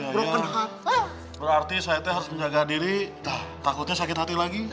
brot berarti saya harus menjaga diri takutnya sakit hati lagi